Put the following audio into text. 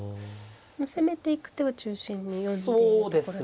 攻めていく手を中心に読んでいるところですか。